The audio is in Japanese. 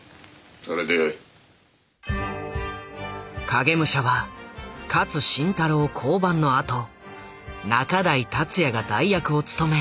「影武者」は勝新太郎降板のあと仲代達矢が代役を務め完成した。